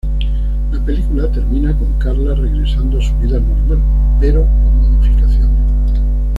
La película termina con Carla regresando a su vida normal, pero con modificaciones.